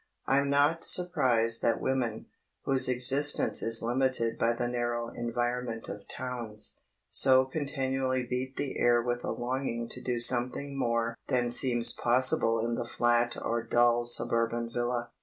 I'm not surprised that women, whose existence is limited by the narrow environment of towns, so continually beat the air with a longing to do something more than seems possible in the flat or dull suburban villa.